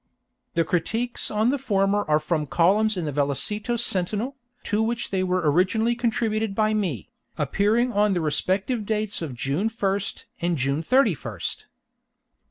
The critiques on the former are from the columns of the Vallecetos Sentinel, to which they were originally contributed by me, appearing on the respective dates of June 1st and June 31st.